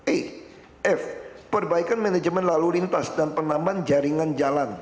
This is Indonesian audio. e f perbaikan manajemen lalu lintas dan penambahan jaringan jalan